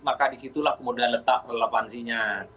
maka di situlah kemudian letak relevansinya